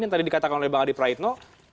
yang tadi dikatakan oleh bang adi praitno